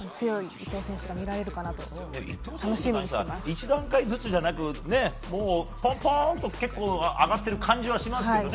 伊藤選手に関しては１段階ずつじゃなくてポンポンと結構上がっている感じはしますけどね